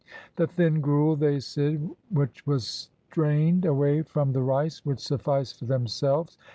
The thin gruel, they said, which was strained 153 INDIA away from the rice, would suffice for themselves.